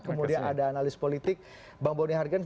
kemudian ada analis politik bang boni hargens